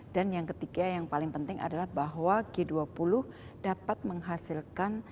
dan yang ketiga yang paling penting adalah bahwa g dua puluh dapat menghasilkan